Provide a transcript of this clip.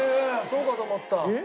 そうかと思った。